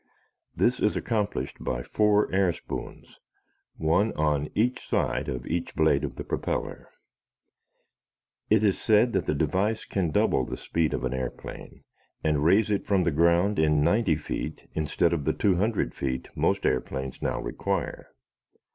This is accomplished by four air spoons, one on each side of each blade of the propeller. It is said that the device can double the speed of an airplane and raise it from the ground in ninety feet instead of the 200 feet most airplanes now require.